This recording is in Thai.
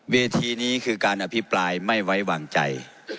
เวทีนี้คือการอภิปรายไม่ไว้วางใจ